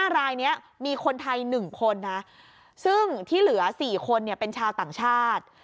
๕รายนี้มีคนไทย๑คนนะซึ่งที่เหลือ๔คนเป็นชาวต่างชาติ